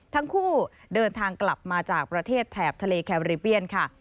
ทั้งคู่เดินทางกลับมาจากประเทศแถบทะเลแคบริเบียนค่ะ